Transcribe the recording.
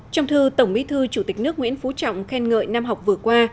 trong thư tổng bí thư chủ tịch nước nguyễn phú trọng khen ngợi năm học vừa qua